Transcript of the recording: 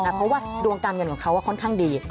เพราะว่าดวงการเงินของเขาค่อนข้างดี